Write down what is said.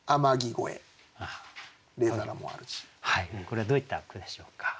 これはどういった句でしょうか？